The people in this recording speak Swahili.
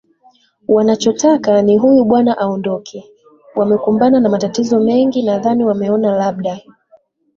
wanachotaka ni huyu bwana aondoke wamekumbana na matatizo mengi nadhani wameona labda